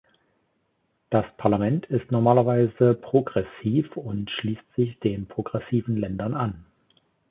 Das Parlament ist normalerweise progressiv und schließt sich den progressiven Ländern an.